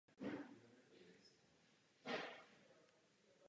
Jednání s Hamásem, tak jak je, nejsou možná.